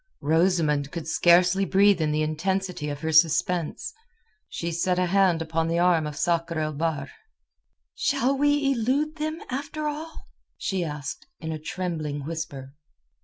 Rosamund could scarcely breathe in the intensity of her suspense. She set a hand upon the arm of Sakr el Bahr. "Shall we elude them, after all?" she asked in a trembling whisper.